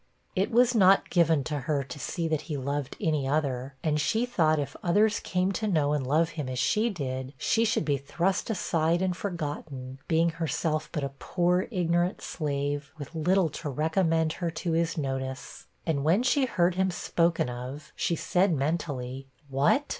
It was not given to her to see that he loved any other; and she thought if others came to know and love him, as she did, she should be thrust aside and forgotten, being herself but a poor ignorant slave, with little to recommend her to his notice. And when she heard him spoken off, she said mentally 'What!